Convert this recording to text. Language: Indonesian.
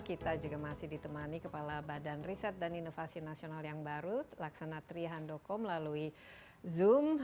kita juga masih ditemani kepala badan riset dan inovasi nasional yang baru laksanatri handoko melalui zoom